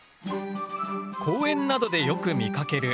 公園などでよく見かけるアリ。